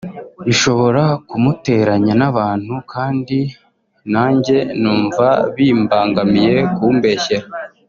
bishobora kumuteranya n’abantu kandi nanjye numva bimbangamiye kumbeshyera